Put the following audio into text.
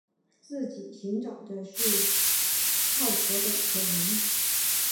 自己寻找的是跳脱的可能